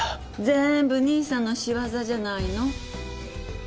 全部兄さんの仕業じゃないの？